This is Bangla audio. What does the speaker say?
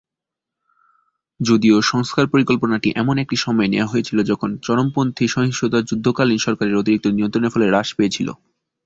যদিও সংস্কার পরিকল্পনাটি এমন একটি সময়ে নেওয়া হয়েছিল যখন চরমপন্থী সহিংসতা যুদ্ধকালীন সরকারের অতিরিক্ত নিয়ন্ত্রণের ফলে হ্রাস পেয়েছিল।